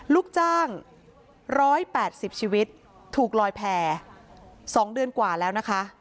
ลูกจ้าง๑๘๐ชีวิตถูกลอยแผ่๒เดือนกว่าแล้วนะคะ